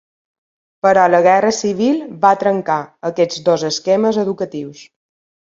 Però la guerra civil va trencar aquests dos esquemes educatius.